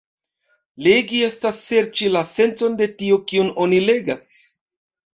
Legi estas serĉi la sencon de tio kion oni legas.